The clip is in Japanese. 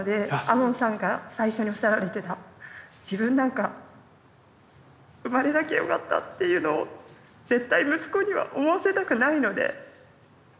門さんが最初におっしゃられてた自分なんか生まれなきゃよかったっていうのを絶対息子には思わせたくないので。